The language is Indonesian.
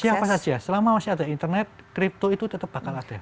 siapa saja selama masih ada internet crypto itu tetap bakal ada